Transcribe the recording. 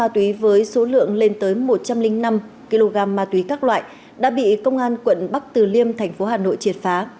ma túy với số lượng lên tới một trăm linh năm kg ma túy các loại đã bị công an quận bắc từ liêm thành phố hà nội triệt phá